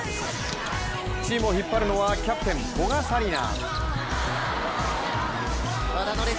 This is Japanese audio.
チームを引っ張るのはキャプテン・古賀紗理那。